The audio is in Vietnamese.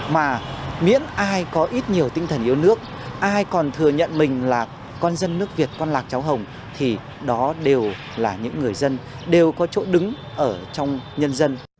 mà miễn ai có ít nhiều tinh thần yêu nước ai còn thừa nhận mình là con dân nước việt con lạc cháu hồng thì đó đều là những người dân đều có chỗ đứng ở trong nhân dân